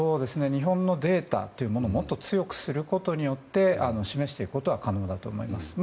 日本のデータというものをもっと強くすることによって示していくことは可能だと思います。